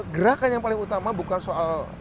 gerakan yang paling utama bukan soal